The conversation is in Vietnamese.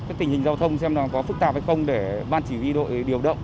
các tình hình giao thông xem là có phức tạp hay không để ban chỉ huy đội điều động